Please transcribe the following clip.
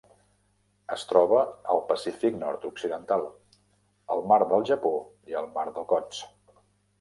Es troba al Pacífic nord-occidental: el mar del Japó i el mar d'Okhotsk.